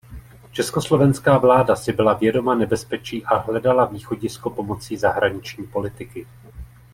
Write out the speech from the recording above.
Československá vláda si byla vědoma nebezpečí a hledala východisko pomocí zahraniční politiky.